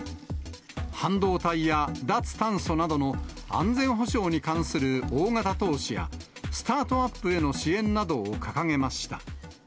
半導体や脱炭素などの安全保障に関する大型投資や、スタートアップへの支援などを掲げました。